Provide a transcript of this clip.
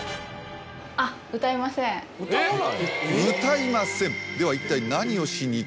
歌いませんでは。